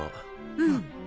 うん。